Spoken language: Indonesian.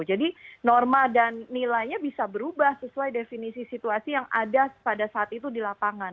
jadi norma dan nilainya bisa berubah sesuai definisi situasi yang ada pada saat itu di lapangan